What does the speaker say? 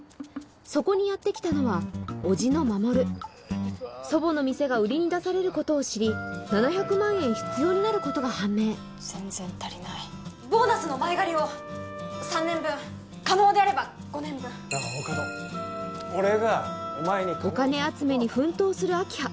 そこにやってきたのはおじの守祖母の店が売りに出されることを知り７００万円必要になることが判明全然足りないボーナスの前借りを３年分可能であれば５年分なあ大加戸俺がお前にお金集めに奮闘する明葉